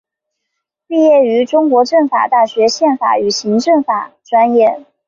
毕业于中国政法大学宪法与行政法专业。